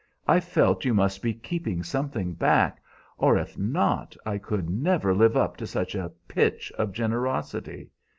I felt you must be keeping something back, or, if not, I could never live up to such a pitch of generosity.